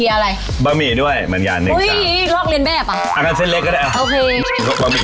ลงไปมาเยี่ยมอะข้างบ้านแห่งตัวแข็งนะเนี้ย